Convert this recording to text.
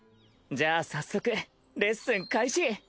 じゃあ早速レッスン開始！